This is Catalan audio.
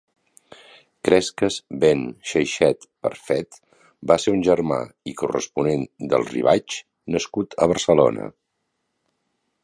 Cresques ben Xéixet Perfet va ser un germà i corresponent del Rivaix nascut a Barcelona.